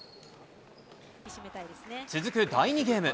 続く第２ゲーム。